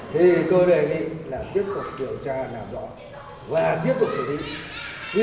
thì tôi đề nghị là tiếp tục điều tra làm rõ và tiếp tục xử lý